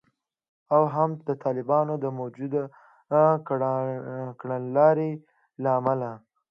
او هم د طالبانو د موجوده کړنلارې له امله